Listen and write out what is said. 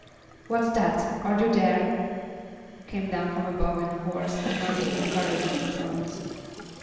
"What's that? Are you there?" came down from above in hoarse and none too encouraging tones.